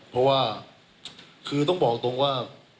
เพราะว่าคือต้องบอกตรงว่า